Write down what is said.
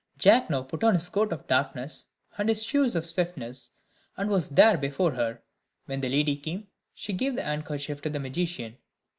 Jack now put on his coat of darkness, and his shoes of swiftness, and was there before her. When the lady came, she gave the handkerchief to the magician.